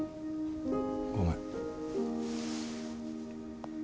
ごめん。